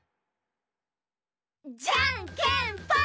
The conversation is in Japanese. じゃんけんぽん！